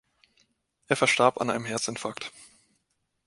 Er verstarb an einem Herzinfarkt.